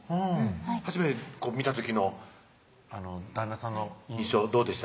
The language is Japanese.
初めて見た時の旦那さんの印象どうでした？